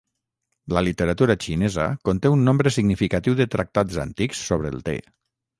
La literatura xinesa conté un nombre significatiu de tractats antics sobre el te.